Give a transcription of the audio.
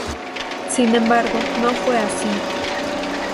Sin embargo, no fue así.